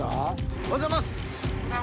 おはようございます。